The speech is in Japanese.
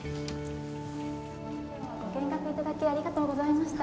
今日はご見学頂きありがとうございました。